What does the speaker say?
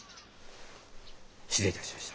失礼いたしやした。